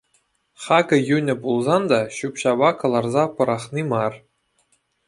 Хакӗ йӳнӗ пулсан та ҫӳп-ҫапа кӑларса пӑрахни мар.